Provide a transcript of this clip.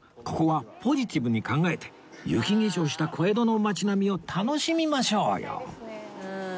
ここはポジティブに考えて雪化粧した小江戸の街並みを楽しみましょうよ